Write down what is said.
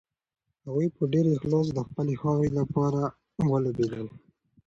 هغوی په ډېر اخلاص د خپلې خاورې لپاره ولوبېدل.